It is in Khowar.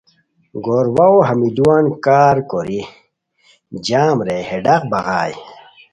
گور واؤو ہمی لوان کارکوری جام رے ہے ڈاق بغائے